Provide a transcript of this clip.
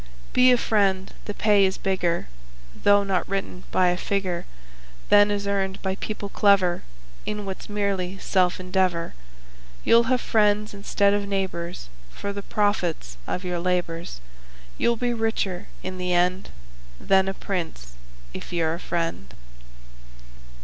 Be a friend. The pay is bigger (Though not written by a figure) Than is earned by people clever In what's merely self endeavor. You'll have friends instead of neighbors For the profits of your labors; You'll be richer in the end Than a prince, if you're a friend.